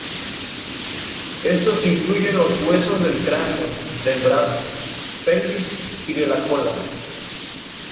Estos incluyen los huesos del cráneo, del brazo, pelvis, y de la cola.